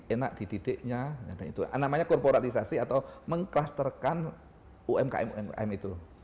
enak dididiknya nah itu namanya korporatisasi atau mengklusterkan umkm itu